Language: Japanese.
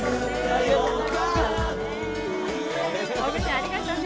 ありがとね。